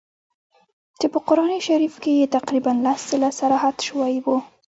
چي په قرآن شریف کي یې تقریباً لس ځله صراحت سوی وي.